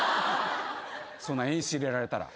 そんな演出入れられたら。